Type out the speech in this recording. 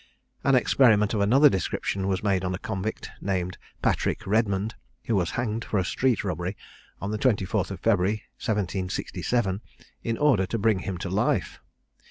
An experiment of another description was made on a convict, named Patrick Redmond, who was hanged for a street robbery, on the 24th of February, 1767, in order to bring him to life.